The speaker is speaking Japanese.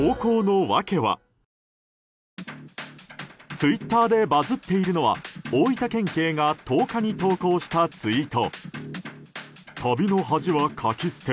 ツイッターでバズっているのは大分県警が１０日に投稿したツイート。